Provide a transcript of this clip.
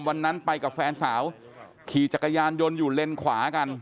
วันนั้นไปกับแฟนสาวขี่จักรยานยนต์อยู่เลนขวากัน